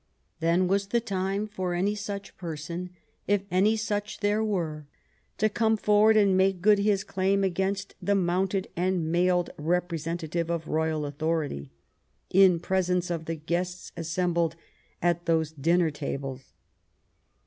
Then was the time for such person, if any such there were, to come forward and make good his claim against the mount ed and mailed representative of royal authority, in presence of the guests assembled at those dinner tables.